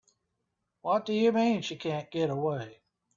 What do you mean she can't get away?